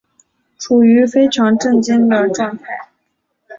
处於非常震惊的状态